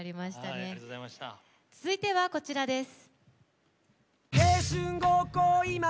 続いては、こちらです。